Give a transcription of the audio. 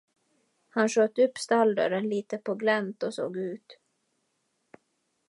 Han sköt upp stalldörren litet på glänt och såg ut.